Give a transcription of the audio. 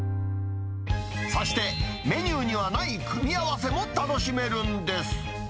そして、メニューにはない組み合わせも楽しめるんです。